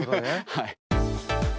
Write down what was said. はい。